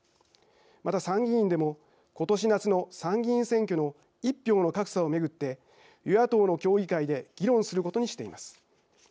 また、参議院でも今年夏の参議院選挙の１票の格差を巡って与野党の協議会で議論することにしています。